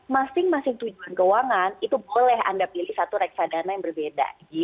masing masing tujuan keuangan itu boleh anda pilih satu reksadana yang berbeda